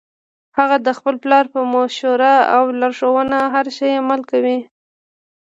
هغه د خپل پلار په مشوره او لارښوونه هر شي عمل کوي